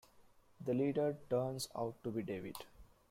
The leader turns out to be David.